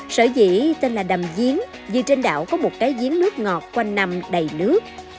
sở dĩ tên là đầm diến vì trên đảo có một cái diến nước ngọt quanh nằm đầy nước